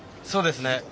そうですね。